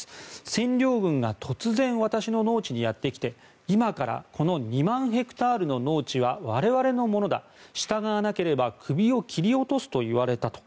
占領軍が突然、私の農地にやってきて今からこの２万ヘクタールの農地は我々のものだ従わなければ首を切り落とすといわれたと。